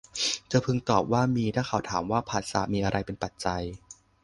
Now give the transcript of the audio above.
เธอพึงตอบว่ามีถ้าเขาถามว่า ผัสสะมีอะไรเป็นปัจจัย